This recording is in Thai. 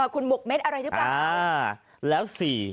คุณหมกเม็ดอะไรหรือเปล่า